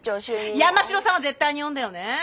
山城さんは絶対に呼んでよね！